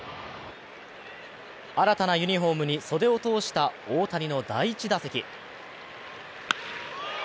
新たなユニフォームに袖を通した大谷の第１打席。